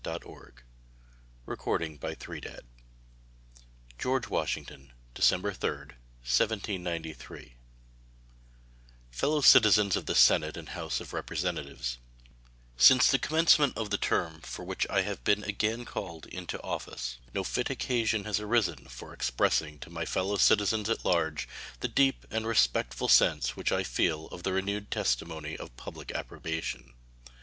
GO. WASHINGTON State of the Union Address George Washington December 3, 1793 Fellow Citizens of the Senate and House of Representatives: Since the commencement of the term for which I have been again called into office no fit occasion has arisen for expressing to my fellow citizens at large the deep and respectful sense which I feel of the renewed testimony of public approbation.